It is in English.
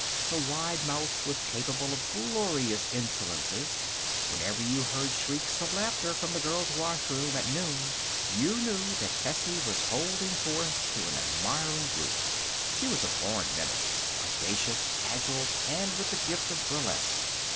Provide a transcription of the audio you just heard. Her wide mouth was capable of glorious insolences. Whenever you heard shrieks of laughter from the girls' washroom at noon you knew that Tessie was holding forth to an admiring group. She was a born mimic; audacious, agile, and with the gift of burlesque.